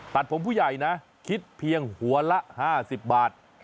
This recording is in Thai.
ตัดผมผู้ใหญ่นะคิดเพียงหัวละ๕๐บาท